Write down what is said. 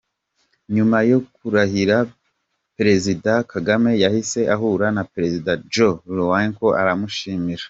Nyuma yo kurahira, Perezida Kagame yahise ahura na Perezida João Lourenço aramushimira.